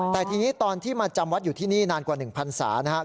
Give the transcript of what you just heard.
แต่ทีนี้ตอนที่มาจำวัดอยู่ที่นี่นานกว่า๑พันศานะครับ